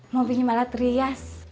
mau bikin malah trias